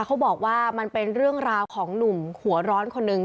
เขาบอกว่ามันเป็นเรื่องราวของหนุ่มหัวร้อนคนหนึ่ง